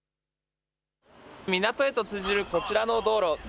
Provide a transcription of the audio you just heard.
港へと通じるこちらの道路。